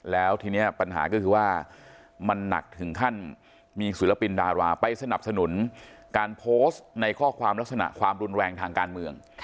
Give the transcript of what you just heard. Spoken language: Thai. แล้วทีนี้ปัญหาก็คือว่ามันหนักถึงขั้นมีศิลปินดาราไปสนับสนุนการโพสต์ในข้อความลักษณะความรุนแรงทางการเมือง